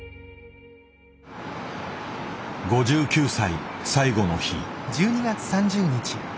５９歳最後の日。